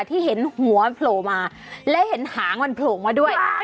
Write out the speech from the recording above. ที่เห็นหัวโผล่มาและเห็นหางมันโผล่มาด้วย